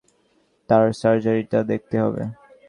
তার সার্জারিটা দেখতে হবে।